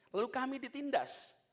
lalu kami ditindas